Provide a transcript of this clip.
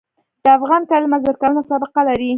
د افغان کلمه زر کلنه سابقه لري.